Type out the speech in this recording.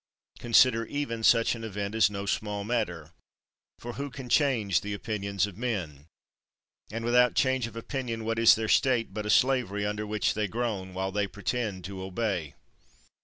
Consider even such an event as no small matter. For who can change the opinions of men? And without change of opinion what is their state but a slavery, under which they groan, while they pretend to obey?